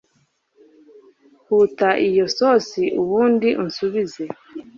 huta iyo sosi ubundi unsubize